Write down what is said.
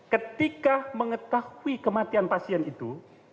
ketika mengetahui kematian pasien itu